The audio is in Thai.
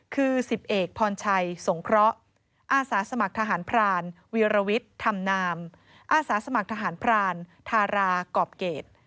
คือ๑๐เอกพรชัยสงเคราะห์อาสาสมัครทหารพรานวีรวิทย์ธรรมนามอาสาสมัครทหารพรานทารากรอบเกรด